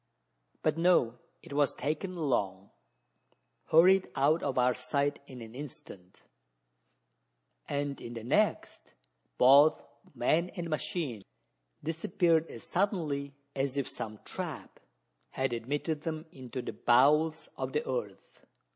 But no: it was taken along hurried out of our sight in an instant and in the next, both man and machine disappeared as suddenly as if some trap had admitted them into the bowels of the earth!